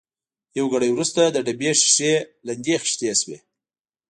یو ګړی وروسته د ډبې شېشې لندې خېشتې شوې.